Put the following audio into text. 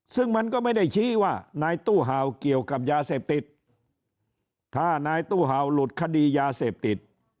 ซึ่งมันก็ไม่ได้ชี้ว่านายตู้เห่าเกี่ยวกับยาเสพติดถ้านายตู้เห่าหลุดคดียาเสพติด